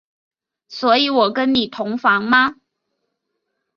所以我跟你同房吗？